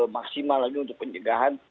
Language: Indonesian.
maksimal lagi untuk penjagaan